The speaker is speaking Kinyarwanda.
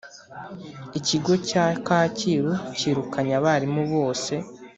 Ikigo cya kacyiru cyirukanye abarimu bose